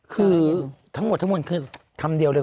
คือทั้งหมดทั้งมวลคือคำเดียวเลย